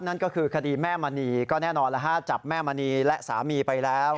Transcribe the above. นั่นก็คือคดีแม่มณีก็แน่นอนแล้วฮะจับแม่มณีและสามีไปแล้ว